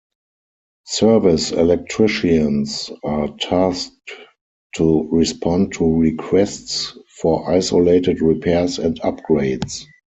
Service electricians are tasked to respond to requests for isolated repairs and upgrades.